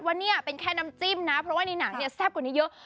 ว่าเนี่ยเป็นแค่น้ำจิ้มนะเพราะว่าในหนังเนี่ยแซ่บกว่านี้เยอะ